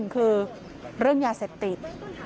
คือเรื่องยาเสพติด